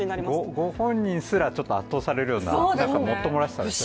ご本人すら圧倒されるようなもっともらしさですよね。